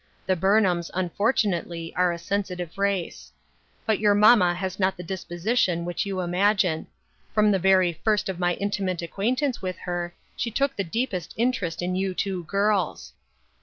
The Burnhams, unfortunately, are a sensitive race. " FOREWARNED AND " FOREARMED. 59 But your mamma has not the disposition which you imagine. From the very first of my intimate acquaintance with her, she took the deepest inter est in you two girls."